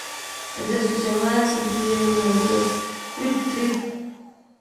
Entre sus llamadas se incluye un agudo "triiip-triip-trrrrrr".